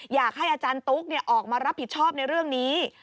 อยากให้อาจารย์ตุ๊กออกมารับผิดชอบในเรื่องนี้